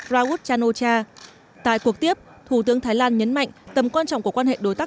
rawud chan o cha tại cuộc tiếp thủ tướng thái lan nhấn mạnh tầm quan trọng của quan hệ đối tác